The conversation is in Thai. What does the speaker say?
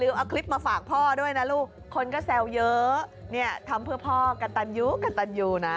เออเนี้ยทำเพื่อพ่อกันตันอยู่กันตันอยู่นะ